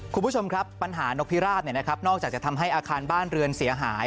คุณผู้ชมครับปัญหานกพิราบนอกจากจะทำให้อาคารบ้านเรือนเสียหาย